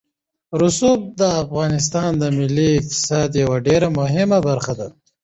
رسوب د افغانستان د ملي اقتصاد یوه ډېره مهمه برخه ده.